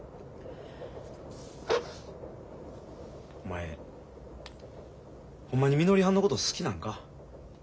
お前ホンマにみのりはんのこと好きなんか？